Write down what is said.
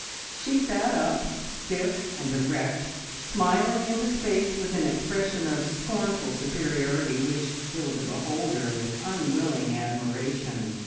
She sat up stiff and erect, smiling into space with an expression of scornful superiority which filled the beholder with unwilling admiration.